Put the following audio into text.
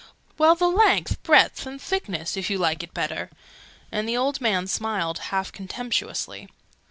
"Well, the length, breadth, and thickness, if you like it better!" And the old man smiled, half contemptuously.